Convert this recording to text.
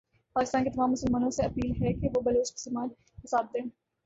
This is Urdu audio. پاکستان کے تمام مسلمانوں سے اپیل ھے کہ وہ بلوچ مسلمان کا ساتھ دیں۔